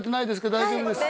大丈夫ですか？